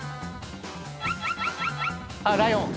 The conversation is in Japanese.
あっライオン。